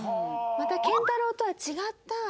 また健太郎とは違ったなんか。